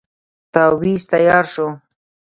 تاويذ تیار شو.